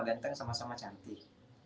ganteng sama sama cantik